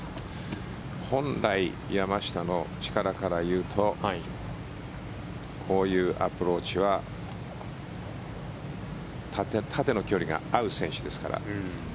本来、山下の力からいうとこういうアプローチは縦の距離が合う選手ですから。